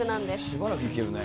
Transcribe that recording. しばらくいけるね。